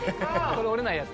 「これ折れないやつ？」